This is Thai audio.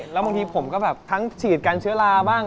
แล้วบางทีผมก็แบบทั้งฉีดกันเชื้อราบ้าง